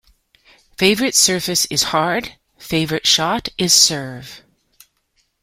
Favorite surface is hard; favorite shot is serve.